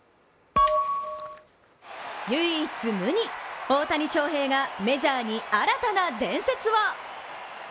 唯一無二、大谷翔平がメジャーに新たな伝説を。